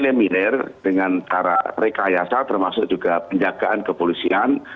jadi kita harus mengejar dengan cara terkayasa termasuk juga penjagaan kepolisian